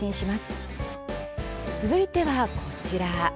続いてはこちら。